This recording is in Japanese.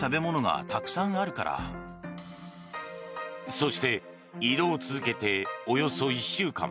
そして、移動を続けておよそ１週間。